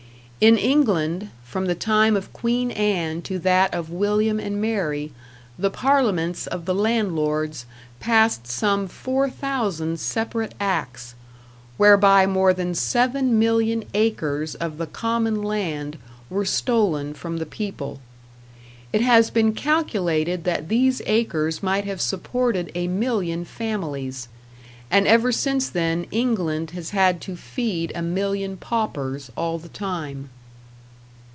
In England, from the time of Queen Anne to that of William and Mary, the parliaments of the landlords passed some four thousand separate acts, whereby more than seven million acres of the common land were stolen from the people. It has been calculated that these acres might have supported a million families; and ever since then England has had to feed a million paupers all the time.